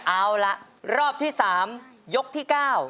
เอาล่ะรอบที่๓ยกที่๙